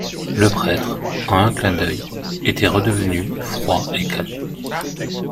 Le prêtre, en un clin d’œil, était redevenu froid et calme.